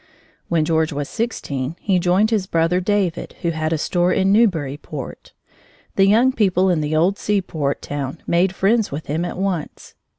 When George was sixteen, he joined his brother David, who had a store in Newburyport. The young people in this old sea port town made friends with him at once.